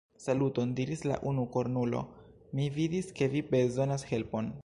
Saluton, diris la unukornulo, mi vidis ke vi bezonas helpon.